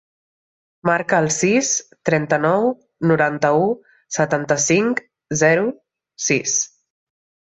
Marca el sis, trenta-nou, noranta-u, setanta-cinc, zero, sis.